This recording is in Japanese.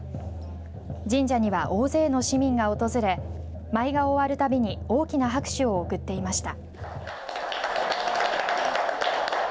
神社には大勢の市民が訪れ舞が終わるたびに大きな拍手を送っていました。